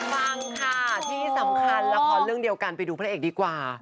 ฟังค่ะที่สำคัญละครเรื่องเดียวกันไปดูพระเอกดีกว่า